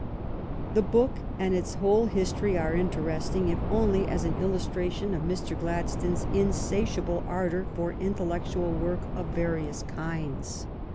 The book and its whole history are interesting if only as an illustration of Mr. Gladstone's insatiable ardor for intellectual work of various kinds.